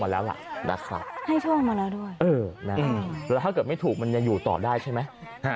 แล้วถ้าเกิดไม่ถูกยังอยู่ต่อได้ใช่ไหม